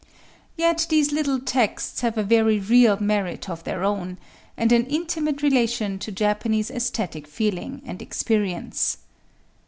Yet these little texts have a very real merit of their own, and an intimate relation to Japanese aesthetic feeling and experience.